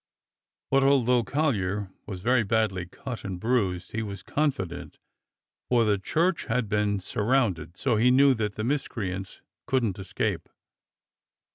But although Collyer was very badly cut and bruised, he was confident, for the church had been surrounded, so he knew that the miscreants couldn't escape.